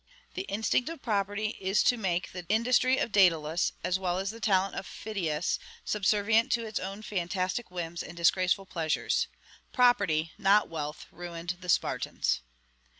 The instinct of property is to make the industry of Daedalus, as well as the talent of Phidias, subservient to its own fantastic whims and disgraceful pleasures. Property, not wealth, ruined the Spartans.